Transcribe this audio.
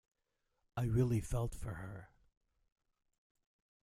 I really felt for her.